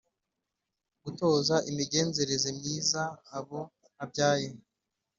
gutoza imigenzereze myiza abo abyaye